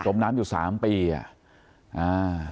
ดมน้ำอยู่สามปีอะ